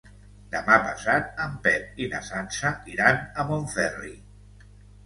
Demà passat en Pep i na Sança iran a Montferri.